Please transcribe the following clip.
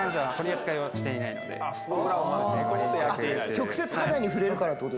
直接肌に触れるからですか？